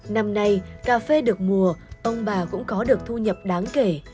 năm nay cà phê được mùa ông bà cũng có được thu nhập đáng kể